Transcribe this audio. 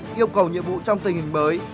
yêu cầu nhiệm vụ trong tình hình mới